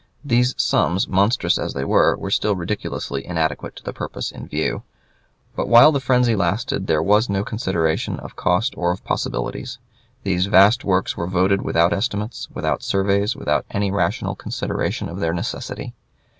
These sums, monstrous as they were, were still ridiculously inadequate to the purpose in view. But while the frenzy lasted there was no consideration of cost or of possibilities. These vast works were voted without estimates, without surveys, without any rational consideration of their necessity.